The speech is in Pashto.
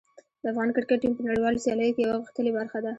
د افغان کرکټ ټیم په نړیوالو سیالیو کې یوه غښتلې برخه ده.